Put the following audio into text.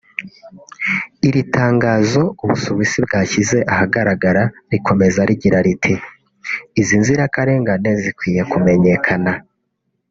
Iri tangazo u Busuwisi bwashyize ahagaragara rikomeza rigira riti “Izi nzirakarengane zikwiye kumenyekana